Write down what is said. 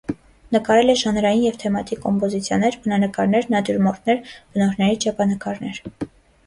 Նկարել է ժանրային և թեմատիկ կոմպոզիցիաներ, բնանկարներ, նատյուրմորտներ, բնորդների ճեպանկարներ։